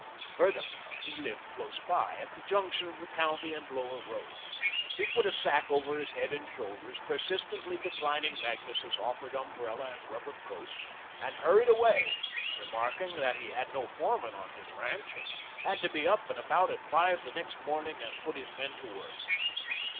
Furthermore, he lived close by, at the junction of the County and Lower Road. He put a sack over his head and shoulders, persistently declining Magnus's offered umbrella and rubber coat, and hurried away, remarking that he had no foreman on his ranch and had to be up and about at five the next morning to put his men to work.